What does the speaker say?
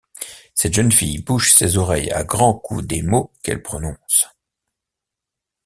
Cette jeune fille bouche ses oreilles à grands coups des mots qu'elle prononce.